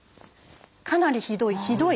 「かなりひどい」「ひどい」